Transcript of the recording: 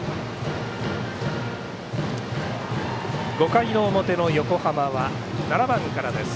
５回の表の横浜は７番からです。